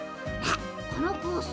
このコース。